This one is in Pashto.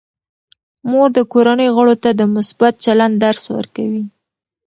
مور د کورنۍ غړو ته د مثبت چلند درس ورکوي.